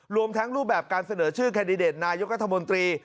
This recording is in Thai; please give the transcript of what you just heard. รวมทั้งรูปแบบการเสนอชื่อแคนดิเดตนายกรัฐมนตรี